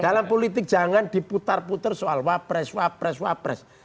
dalam politik jangan diputar putar soal wapres wapres wapres